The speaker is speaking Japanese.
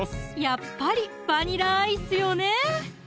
やっぱりバニラアイスよね！